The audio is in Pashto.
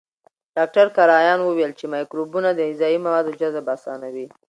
ډاکټر کرایان وویل چې مایکروبونه د غذایي موادو جذب اسانوي.